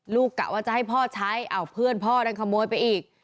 กะว่าจะให้พ่อใช้เพื่อนพ่อนั้นขโมยไปอีก